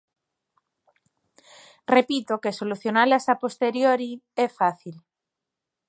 Repito que solucionalas a posteriori é fácil.